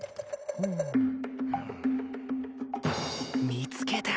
見つけた。